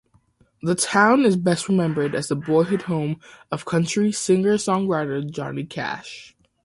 The town is best remembered as the boyhood home of country singer-songwriter Johnny Cash.